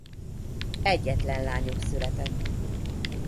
Egyetlen lányuk született.